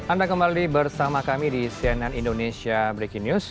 anda kembali bersama kami di cnn indonesia breaking news